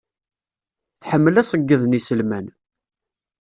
Tḥemmel aṣeyyed n iselman.